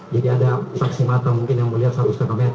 jadi ada saksi mata mungkin yang melihat seratus km